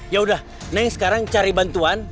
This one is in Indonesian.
ya udah ney sekarang cari bantuan